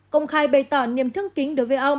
công khai bày tỏ niềm thương kính đối với ông